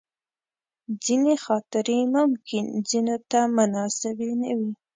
ځینې خاطرې ممکن ځینو ته مناسبې نه وي.